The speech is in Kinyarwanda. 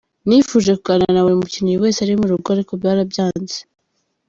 Nifuje kuganira na buri mukinnyi wese ari mu rugo ariko barabyanze.